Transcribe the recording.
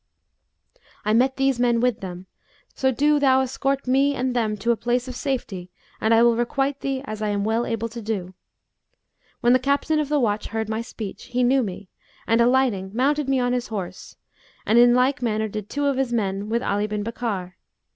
I met these men with them: so do thou escort me and them to a place of safety and I will requite thee as I am well able to do. When the Captain of the watch heard my speech, he knew me and alighting, mounted me on his horse; and in like manner did two of his men with Ali bin Bakkar.